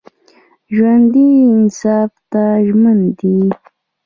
ژوندي انصاف ته ژمن دي